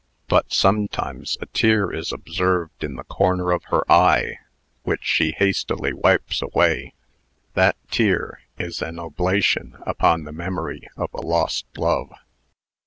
But, sometimes, a tear is observed in the corner of her eye, which she hastily wipes away. That tear is an oblation upon the memory of a lost love.